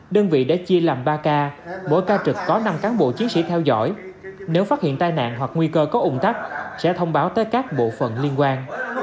đơn vị đã chia làm ba ca mỗi ca trực có năm cán bộ chiến sĩ theo dõi nếu phát hiện tai nạn hoặc nguy cơ có ủng tắc sẽ thông báo tới các bộ phận liên quan